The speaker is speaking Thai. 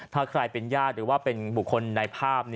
ถ้าใครเป็นญาติหรือบุคคลในภาพ